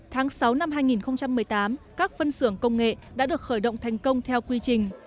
tháng sáu năm hai nghìn một mươi tám các phân xưởng công nghệ đã được khởi động thành công theo quy trình